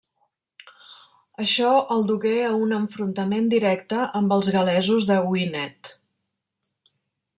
Això el dugué a un enfrontament directe amb els gal·lesos de Gwynedd.